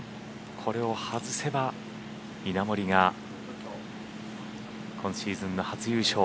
これを外せば稲森が今シーズンの初優勝。